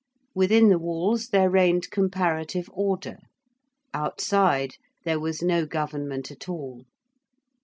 Within the walls there reigned comparative order: outside there was no government at all.